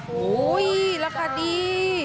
โอ้โหราคาดี